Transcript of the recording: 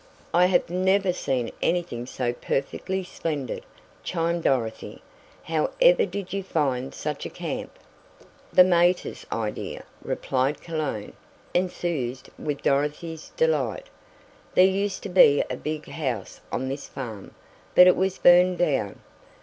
"I have never seen anything so perfectly splendid!" chimed Dorothy, "how ever did you find such a camp?" "The mater's idea," replied Cologne, enthused with Dorothy's delight. "There used to be a big house on this farm, but it was burned down.